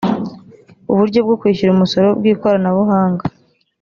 uburyo bwo kwishyura umusoro kwikoranabuhanga